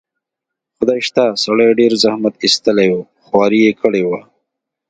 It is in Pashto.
خدای شته، سړي ډېر زحمت ایستلی و، خواري یې کړې وه.